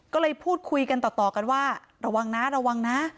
ก็เลยพูดคุยกันต่อกันว่าระวังนะระวังนะ